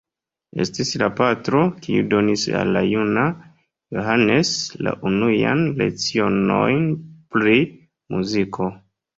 Estis la patro, kiu donis al la juna Johannes la unuajn lecionojn pri muziko.